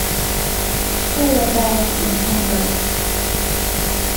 Peyer died in Hamburg.